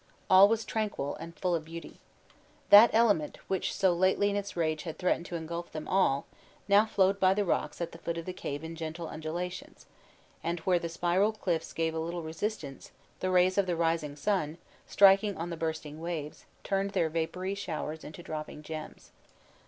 All was tranquil and full of beauty. That element, which so lately in its rage had threatened to ingulf them all, now flowed by the rocks at the foot of the cave in gentle undulations; and where the spiral cliffs gave a little resistance, the rays of the rising sun, striking on the bursting waves, turned their vapory showers into dropping gems.